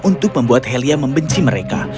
untuk membuat helia membenci mereka